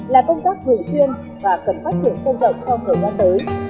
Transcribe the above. là công tác thường xuyên và cần phát triển sâu rộng trong thời gian tới